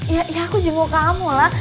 ya ya aku jemuk kamu lah